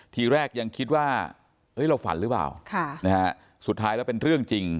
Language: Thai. ทีแรกยังคิดว่าเราฝันหรือเปล่าสุดท้ายแล้วเป็นเรื่องจริง